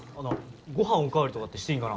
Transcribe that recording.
ご飯お代わりとかってしていいんかな？